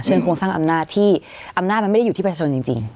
โครงสร้างอำนาจที่อำนาจมันไม่ได้อยู่ที่ประชาชนจริง